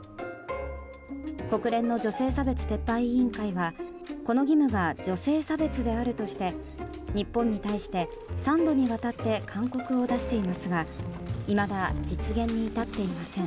国連の女性差別撤廃委員会はこの義務が女性差別であるとして日本に対して３度にわたって勧告を出していますがいまだ、実現に至っていません。